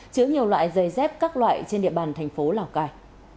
chứa nhiều loại dây dép các loại trên địa bàn thành phố lào cai